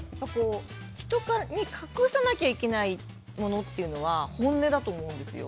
人に隠さなきゃいけないものっていうのは本音だと思うんですよ。